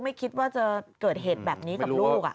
ไม่คิดว่าจะเกิดเหตุแบบนี้กับลูก